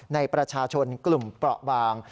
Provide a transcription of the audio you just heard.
ในประชาชนกลุ่มเปราะบาง